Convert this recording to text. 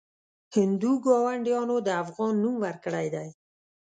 هندو ګاونډیانو د افغان نوم ورکړی دی.